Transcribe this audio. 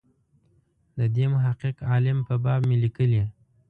د دې محقق عالم په باب مې لیکلي.